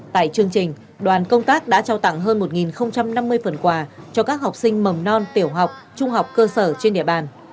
tại chương trình đoàn công tác đã trao tặng hơn một năm mươi phần quà cho các học sinh mầm non tiểu học trung học cơ sở trên địa bàn